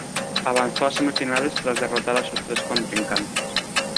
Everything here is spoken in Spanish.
Avanzó a semifinales tras derrotar a sus tres contrincantes.